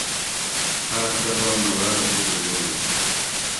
آس رہ پا مہ باۤر شکر گۤڑی